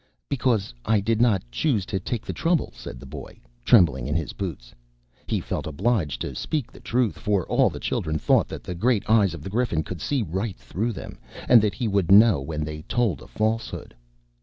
"Because I did not choose to take the trouble," said the boy, trembling in his boots. He felt obliged to speak the truth, for all the children thought that the great eyes of the Griffin could see right through them, and that he would know when they told a falsehood.